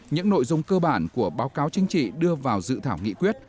những nội dung cơ bản của báo cáo chính trị đưa vào dự thảo nghị quyết